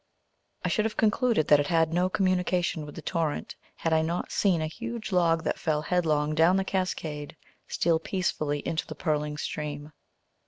I should have concluded that it had no communication with the torrent had I not seen a huge log that fell headlong down the cascade steal peacefully into the purling stream.